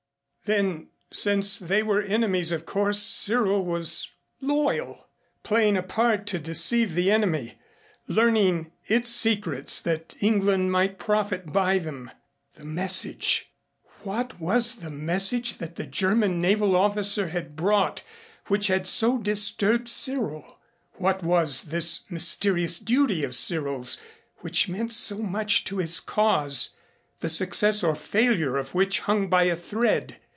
Then since they were enemies of course Cyril was loyal playing a part to deceive the enemy learning its secrets that England might profit by them. The message! What was the message that the German naval officer had brought which had so disturbed Cyril? What was this mysterious duty of Cyril's which meant so much to his cause, the success or failure of which hung by a thread?